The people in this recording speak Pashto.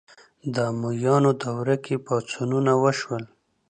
د امویانو دوره کې پاڅونونه وشول